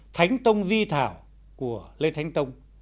thánh tông di thảo của lê thánh tông